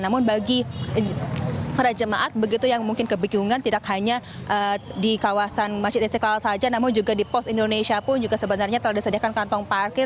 namun bagi para jemaat begitu yang mungkin kebingungan tidak hanya di kawasan masjid istiqlal saja namun juga di pos indonesia pun juga sebenarnya telah disediakan kantong parkir